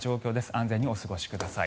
安全にお過ごしください。